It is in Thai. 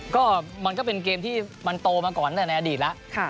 ก็มันก็เป็นเกมที่มันโตมาก่อนตั้งแต่ในอดีตแล้ว